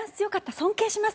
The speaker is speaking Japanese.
尊敬します。